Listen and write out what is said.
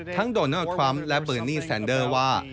โดนัลดทรัมป์และเบอร์นี่แซนเดอร์ว่า